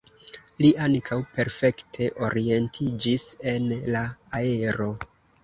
Li ankaŭ perfekte orientiĝis en la aero.